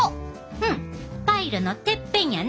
うんパイルのてっぺんやな。